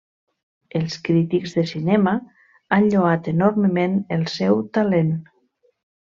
Els crítics de cinema han lloat enormement el seu talent.